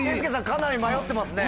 かなり迷ってますね。